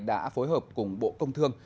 đã phối hợp cùng bộ công thương